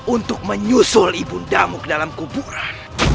untuk menyusul ibundamu ke dalam kuburan